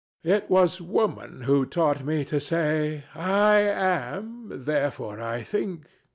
It was Woman who taught me to say "I am; therefore I think."